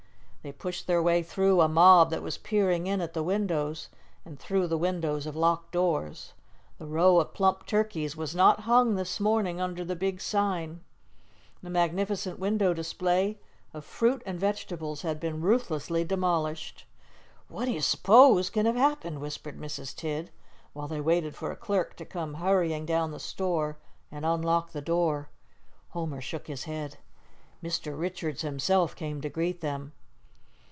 They pushed their way through a mob that was peering in at the windows, and through the windows of locked doors. The row of plump turkeys was not hung this morning under the big sign; the magnificent window display of fruit and vegetables had been ruthlessly demolished. "What do you s'pose can have happened?" whispered Mrs. Tidd, while they waited for a clerk to come hurrying down the store and unlock the door. Homer shook his head. Mr. Richards himself came to greet them.